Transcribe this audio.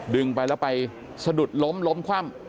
ไปแล้วไปสะดุดล้มล้มคว่ำ